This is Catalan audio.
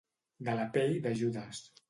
De la pell de Judes.